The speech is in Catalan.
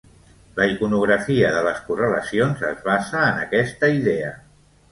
La iconografia de les correlacions es basa en aquesta idea.